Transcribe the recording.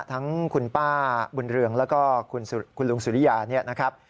ทั้งคุณป้าบุญเรืองแล้วก็คุณลุงสุริยาเนี่ยนะครับ